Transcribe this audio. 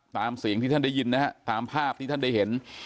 ตามเสียงที่ท่านได้ยินนะฮะตามภาพที่ท่านได้เห็น